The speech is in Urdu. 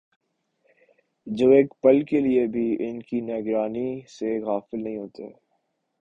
جو ایک پل کے لیے بھی ان کی نگرانی سے غافل نہیں ہوتے